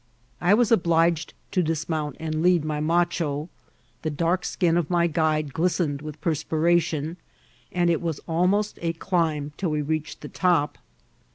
I was oUiged to dismount and lead my macho ; the dark skin of my guide glistened with perspiration^ and it was al most a climb till we reached the top.